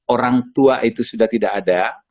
orang tua itu sudah tidak ada